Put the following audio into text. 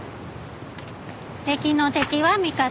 敵の敵は味方。